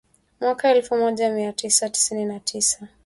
mwaka elfu moja mia tisa tisini na tisa